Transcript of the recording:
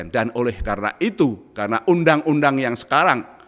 dan oleh karena itu karena undang undang yang sekarang